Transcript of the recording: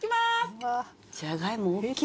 じゃがいもおっきい！